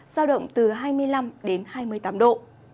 giao động từ hai mươi năm đến hai mươi tám độ